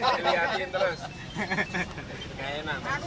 iya tempenya yang tadi mau saya mangkokin